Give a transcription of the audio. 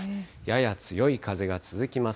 やや強い風が続きます。